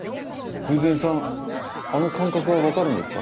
偶然さんあの感覚がわかるんですか？